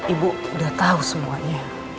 ibu udah tau semuanya